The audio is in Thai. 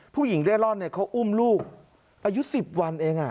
ผู้หญิงเร่าต้องเข้าอุ้มลูกอายุ๑๐วันเอง